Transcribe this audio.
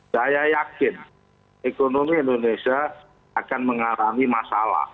saya yakin ekonomi indonesia akan mengalami masalah